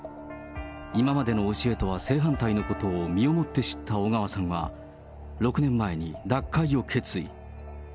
今までの教えとは正反対のことを身をもって知った小川さんは、６年前に脱会を決意。